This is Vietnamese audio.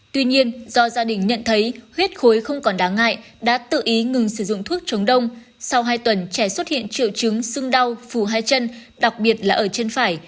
tuy nhiên do gia đình nhận thấy huyết khối không còn đáng ngại đã tự ý ngừng sử dụng thuốc chống đông sau hai tuần trẻ xuất hiện triệu chứng sưng đau phủ hai chân đặc biệt là ở chân phải